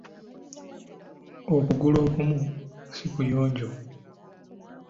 Okugulu okumu si kuyonjo.